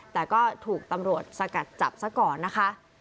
แต่ก็ถูกตำรวจสกัดจับซะก่อนนะคะ